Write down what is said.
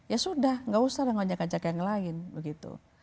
ya sudah gak usah dengan ojek ojek yang lain begitu